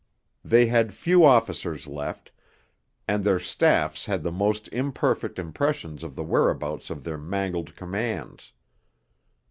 They had few officers left, and their staffs had the most imperfect impressions of the whereabouts of their mangled commands.